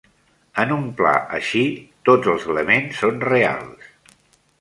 En un pla així, tots els elements són reals.